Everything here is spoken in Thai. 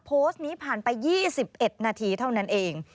โพสต์นี้ผ่านไป๒๑นาทีเท่านั้นเอง